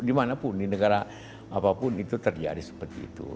dimanapun di negara apapun itu terjadi seperti itu